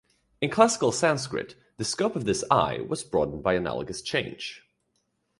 In Classical Sanskrit, the scope of this "i" was broadened by analogous change.